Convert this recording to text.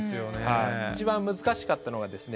一番難しかったのがですね